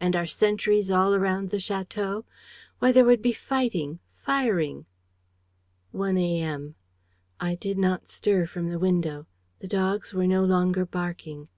And our sentries all around the château? Why, there would be fighting, firing! ... "1 a. m. "I did not stir from the window. The dogs were no longer barking.